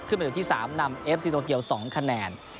ไปอยู่ที่๓นำเอฟซีโตเกียว๒คะแนน